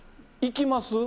行きます？